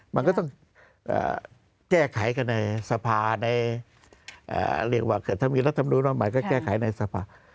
มันก็ต้องแก้ไขกันในสภาในหรือว่าบีลักษณ์รันดุร่วมใหม่ก็แก้ไขในสภา